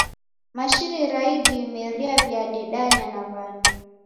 Mashini ra idime riaw'iadedanya na w'andu